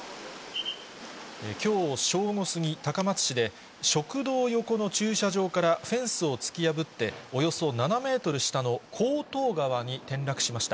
きょう正午過ぎ、高松市で、食堂横の駐車場からフェンスを突き破って、およそ７メートル下の香東川に転落しました。